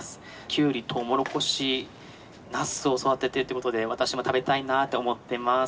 キュウリトウモロコシナスを育ててるということで私も食べたいなと思ってます」。